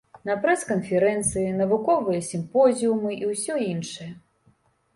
На прэс-канферэнцыі, навуковыя сімпозіумы і ўсё іншае.